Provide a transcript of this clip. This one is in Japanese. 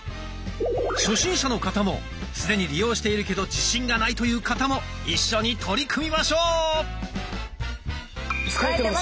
初心者の方も既に利用しているけど自信がないという方も一緒に取り組みましょう！